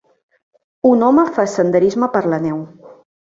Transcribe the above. Un home fa senderisme per la neu.